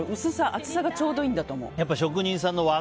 厚さがちょうどいいんだと思う。